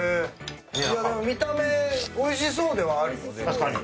見た目おいしそうではあるよね。